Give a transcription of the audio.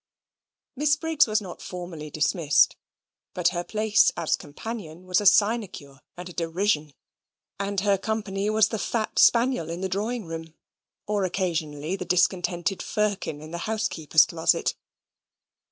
Miss Briggs was not formally dismissed, but her place as companion was a sinecure and a derision; and her company was the fat spaniel in the drawing room, or occasionally the discontented Firkin in the housekeeper's closet.